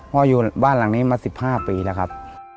อยู่บ้านหลังนี้มา๑๕ปีแล้วครับ